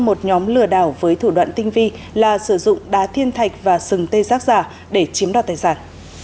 một nhóm lừa đảo với thủ đoạn tinh vi là sử dụng đá thiên thạch và sừng tê giác giả để chiếm đoạt tài sản